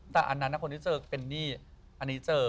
แต่อันนั้นคนที่เจอเป็นหนี้อันนี้เจอ